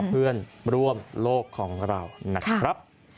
เพื่อนร่วมโลกของเรา